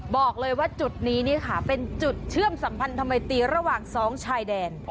บอกเลยว่าจุดนี้นี่ค่ะเป็นจุดเชื่อมสัมพันธมัยตีระหว่างสองชายแดน